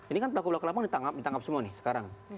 ini kan belakang belakang ditangkap semua nih sekarang